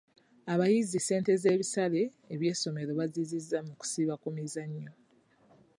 Abayizi ssente z'ebisale by'essomero bazizza mu kusiba ku mizannyo.